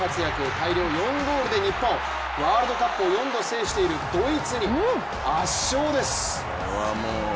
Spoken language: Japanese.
大量４ゴールで日本、ワールドカップを４度制しているドイツに圧勝です。